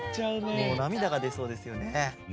もうなみだがでそうですよね。